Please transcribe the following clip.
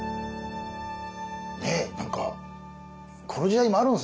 ねえ何かこの時代もあるんですね。